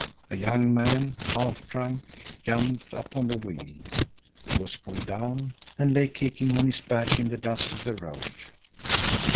A young man, half drunk, jumped up on the wheel. He was pulled down, and lay kicking on his back in the dust of the road.